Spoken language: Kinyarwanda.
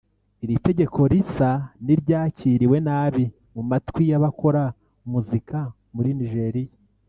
Iri tegeko risa n’iryakiriwe nabi mu matwi y’abakora muzika muri Nigeria